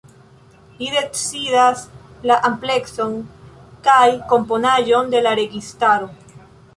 Li decidas la amplekson kaj komponaĵon de la registaro.